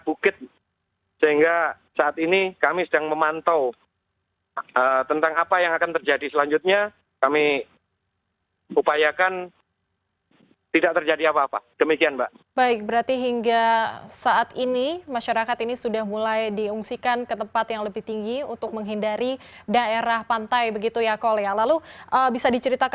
pusat gempa berada di laut satu ratus tiga belas km barat laut laran tuka ntt